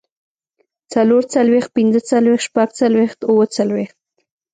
څلورڅلوېښت، پينځهڅلوېښت، شپږڅلوېښت، اووهڅلوېښت